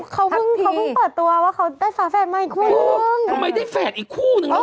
เขาเพิ่งเปิดตัวว่าเขาได้สาวแฟนมาอีกคู่นึงทำไมได้แฟนอีกคู่นึงเนอะ